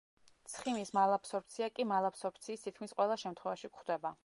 ცხიმის მალაბსორბცია კი მალაბსორბციის თითქმის ყველა შემთხვევაში გვხვდება.